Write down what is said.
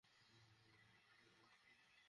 কিন্তু আমাদের কাউকে দরকার নেই।